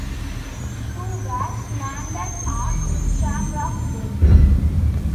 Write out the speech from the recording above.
Two were landed on "Shamrock Bay".